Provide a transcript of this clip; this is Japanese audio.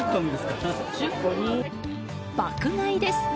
爆買いです。